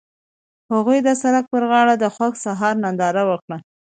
هغوی د سړک پر غاړه د خوښ سهار ننداره وکړه.